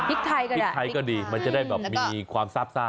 พริกไทยก็ดีมันจะได้แบบมีความซาบซ่า